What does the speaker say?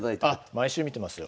毎週見てますよ。